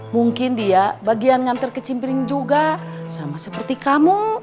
mungkin dia bagian ngantar ke cimbring juga sama seperti kamu